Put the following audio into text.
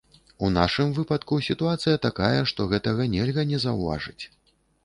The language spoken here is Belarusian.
У нашым выпадку сітуацыя такая, што гэтага нельга не заўважыць.